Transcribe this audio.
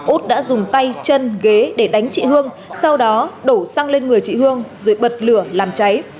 út đã dùng tay chân ghế để đánh chị hương sau đó đổ xăng lên người chị hương rồi bật lửa làm cháy